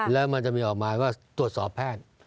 แล้วมันจะมีออกมาว่าตรวจสอบแพทย์